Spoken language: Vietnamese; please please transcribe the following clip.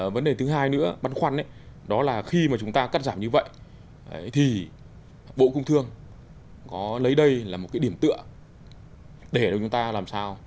vấn đề thứ hai nữa băn khoăn đó là khi mà chúng ta cắt giảm như vậy thì bộ công thương có lấy đây là một cái điểm tựa để chúng ta làm sao